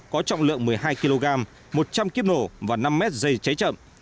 có trọng lượng một mươi hai kg một trăm linh kiếp nổ và năm m dây cháy chậm